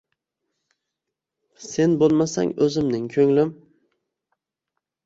Sen bo’lmasang o’zimning ko’nglim